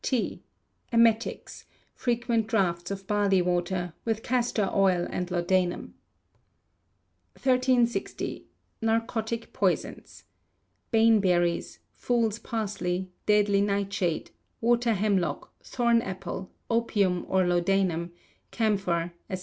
T. Emetics, frequent draughts of barley water, with castor oil and laudanum. 1360. Narcotic Poisons. (_Bane berries; fool's parsley; deadly nightshade; water hemlock; thorn apple; opium, or laudanum; camphor, &c.